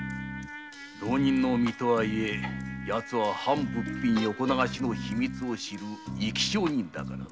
浪人の身とはいえやつは藩物品横流しの秘密を知る生き証人だからな。